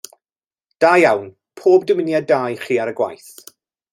Da iawn, pob dymuniad da ichi ar y gwaith.